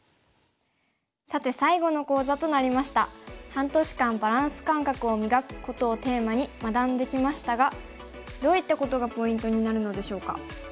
半年間バランス感覚を磨くことをテーマに学んできましたがどういったことがポイントになるのでしょうか？